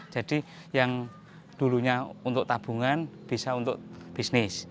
jadi yang dulunya untuk tabungan bisa untuk bisnis